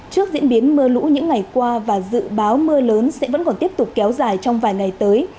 trước diễn biến mưa lũ những ngày qua và dự báo mưa lớn sẽ vẫn còn tiếp tục kéo dài trong vài ngày tới